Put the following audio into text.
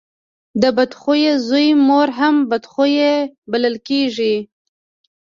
د بد خويه زوی مور هم بد خويه بلل کېږي.